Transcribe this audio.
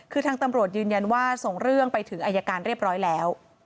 คือทางตำรวจยืนยันว่าส่งเรื่องไปถึงอายการเรียบร้อยแล้ว